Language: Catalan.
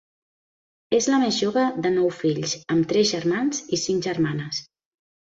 És la més jove de nou fills, amb tres germans i cinc germanes.